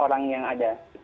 orang yang ada